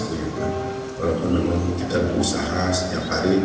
walaupun memang kita berusaha setiap hari